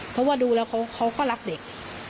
เพราะว่าดูแล้วเขาก็รักเด็ก